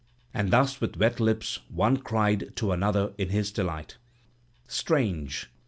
And thus with wet lips one cried to another in his delight: "Strange!